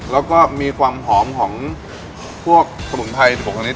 แล้วก็มีความหอมของพวกสมุนไพร๑๖ชนิด